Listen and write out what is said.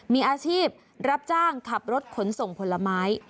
มีอาชีพรับจ้างขับรถขนส่งผลไม้